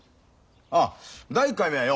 あ第１回目はよ